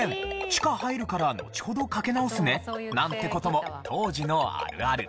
地下入るからのちほどかけ直すね！」なんて事も当時のあるある。